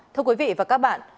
thưa quý vị và các bạn